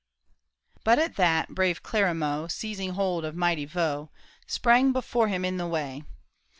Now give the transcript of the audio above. But at that brave Clarimaux, Seizing hold of mighty Vaux, Sprang before him in the way.